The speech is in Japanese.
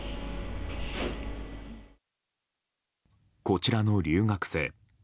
こちらの留学生。